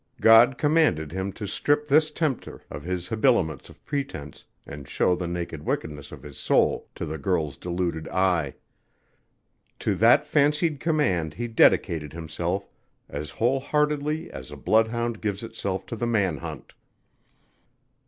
God commanded him to strip this tempter of his habiliments of pretense and show the naked wickedness of his soul to the girl's deluded eye. To that fancied command he dedicated himself as whole heartedly as a bloodhound gives itself to the man hunt.